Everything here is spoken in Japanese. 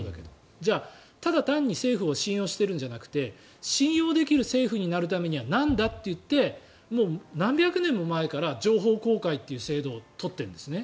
じゃあ、ただ単に政府を信用しているんじゃなくて信用できる政府になるためにはなんだといって何百年も前から情報公開という制度を取っているんですね。